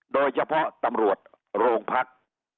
โดยเฉพาะตำรวจโรงพัก